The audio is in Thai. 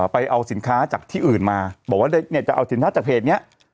ไปเอาสินค้าจากที่อื่นมาบอกว่าเนี่ยจะเอาสินค้าจากเพจนี้